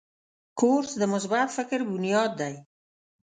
کورس د مثبت فکر بنیاد دی.